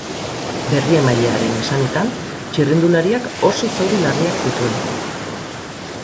Berriemailearen esanetan, txirrindulariak oso zauri larriak zituen.